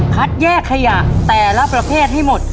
แยกขยะแต่ละประเภทให้หมด